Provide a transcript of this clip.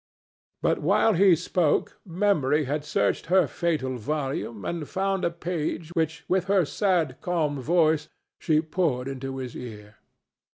But while he spoke Memory had searched her fatal volume and found a page which with her sad calm voice she poured into his ear.